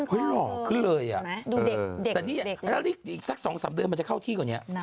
หล่อขึ้นเลยอ่ะดูเด็กแต่นี่อีกสัก๒๓เดือนมันจะเข้าที่กว่านี้